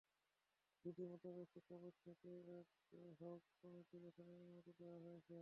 বিধি মোতাবেক শিক্ষা বোর্ড থেকে অ্যাডহক কমিটি গঠনের অনুমতি নেওয়া হয়েছে।